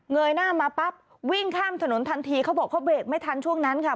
ยหน้ามาปั๊บวิ่งข้ามถนนทันทีเขาบอกเขาเบรกไม่ทันช่วงนั้นค่ะ